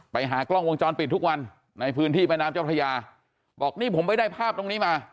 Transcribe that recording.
ไปหากล้องวงจรปิดทุกวันในพื้นที่แม่น้ำเจ้าพระยาบอกนี่ผมไปได้ภาพตรงนี้มา